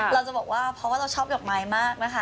เราจะบอกว่าเพราะว่าเราชอบดอกไม้มากนะคะ